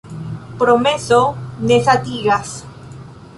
Promeso ne satigas.